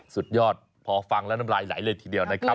สุดยอดพอฟังแล้วน้ำลายไหลเลยทีเดียวนะครับ